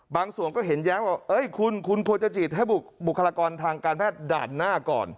บางส่วนก็เห็นแย้งว่าคุณคุณควรจะฉีดให้บุคลากรทางการแพทย์ด่านหน้าก่อน